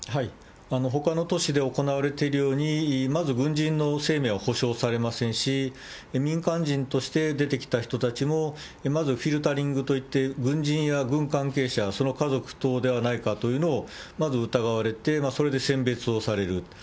ほかの都市で行われているように、まず軍人の生命は保証されませんし、民間人として出てきた人たちも、まずフィルタリングといって、軍人や軍関係者、その家族等ではないかというのを、まず疑われて、それで選別をされる。